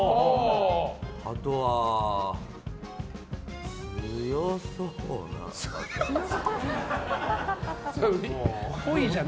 あとは強そうな。